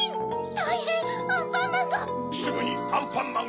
たいへんアンパンマンが！